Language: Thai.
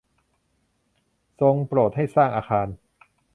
ทรงโปรดให้สร้างอาคาร